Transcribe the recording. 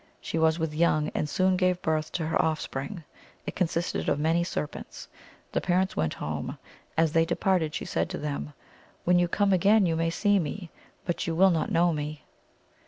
She was with young, and soon gave birth to her offspring. It consisted of many serpents. The parents went home. As they departed she said to them, " When you come again you may see me, but you will not know me."